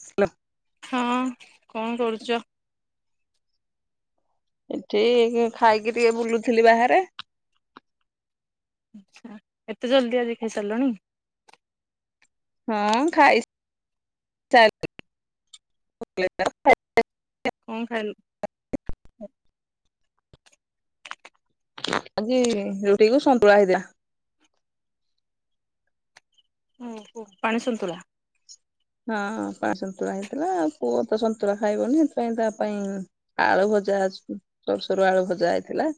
ହେଲ ହଁ କଣ କରୁଛ? ଏଠି ଖାଇକି ଟିକେ ବୁଲୁଥିଲି ବାହାରେ ଆଛା ଏତେ ଜଲଦି ଆଜି ଖାଇ ସାରିଲଣି। ହଁ ଖାଇ ଚା କଣ ଖାଇଲୁ? ଆଜି ରୁଟିକୁ ସନ୍ତୁଳା ହେଇଥିଲା। ଓ ହୋ ପାଣି ସନ୍ତୁଳା। ହଁ ପାଣି ସନ୍ତୁଳା ହେଇଥିଲା ଆଉ ପୁଅ ତ ସନ୍ତୁଳା ଖାଇବନିସେଥିପାଇଁ ତା ପାଇଁ ଆଳୁ ଭଜା ସୋରୁ ସରୁ ଆଳୁ ଭଜା ହେଇଥିଲା।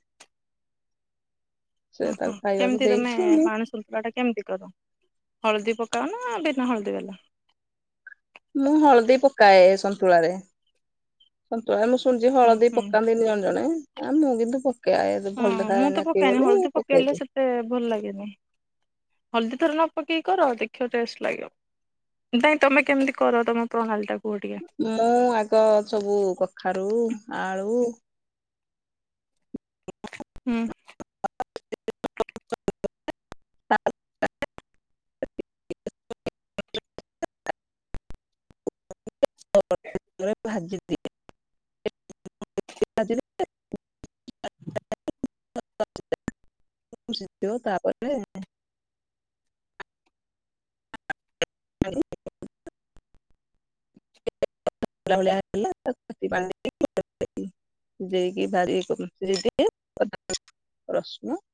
ସେ ଓହୋ ତାକୁ ଖାଇବାକୁ କେମିତି ତମେ ଦେଇଛି ମୁଁ ପାଣି ସନ୍ତୁଳା ଟା କେମିତି କର ହଳଦୀ ପକାଅ ନା ବିନା ହଳଦୀ ବାଲା। ମୁଁ ହଳଦୀ ପକାଏ ସନ୍ତୁଳାରେ ସନ୍ତୁଳା ମୁଁ ଶୁଣିଛି ହୁଁ ହଳଦୀ ହୁଁ ପକାନ୍ତିନି ଜଣ ଜଣେ ଆ ମୁଁ କିନ୍ତୁ ପକାଏ ଭଲ ହଁ ମୁଁ ଦେଖାଯାଏନି ତ ଆଖିକି ପକେଇନି ବୋଲି ହଳଦୀ ପକେଇଲେ ପକେଇଦିଏ। ସେତେ ଭଲ ଲାଗେନି। ହଳଦୀ ଥର ନ ପକେଇକି କର ଦେଖିବା ଟେଷ୍ଟ ଲାଗିବ ନାଇଁ ତମେ କେମିତି କର ତମ ପ୍ରଣାଳୀ ଟାକୁ ମୁଁ ଆଗ ସବୁ କଖାରୁ ଆଳୁ ହୁଁ। [unintelligible] ଖୁସି ତାପରେ [unintelligible] ଭଳିଆେଇକିାରି ରସୁମ [unintelligible]